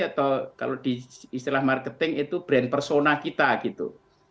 atau kalau di istilah marketing itu brand persona kita gitu